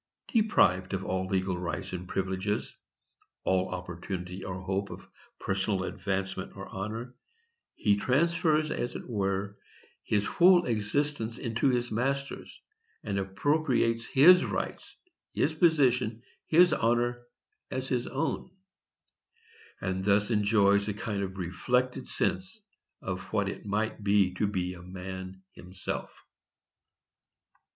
Deprived of all legal rights and privileges, all opportunity or hope of personal advancement or honor, he transfers, as it were, his whole existence into his master's, and appropriates his rights, his position, his honor, as his own; and thus enjoys a kind of reflected sense of what it might be to be a man himself.